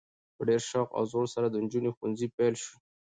په ډیر شوق او زور سره د نجونو ښونځي پیل شول؛